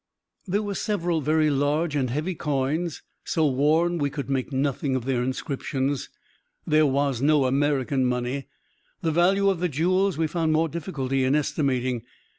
There were several very large and heavy coins, so worn that we could make nothing of their inscriptions. There was no American money. The value of the jewels we found more difficulty in estimating.